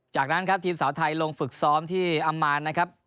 จากนั้นครับทีมสาวไทยลงฝึกซ้อมที่อำมานนะครับ